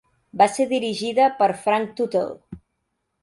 Va ser dirigida per Frank Tuttle.